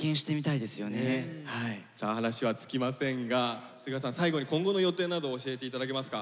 さあ話は尽きませんがスガさん最後に今後の予定などを教えていただけますか？